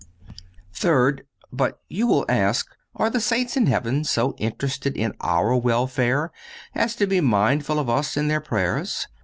Third—But you will ask, are the saints in heaven so interested in our welfare as to be mindful of us in their prayers?